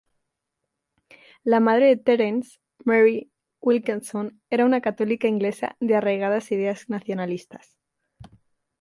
La madre de Terence, Mary Wilkinson era una católica inglesa de arraigadas ideas nacionalistas.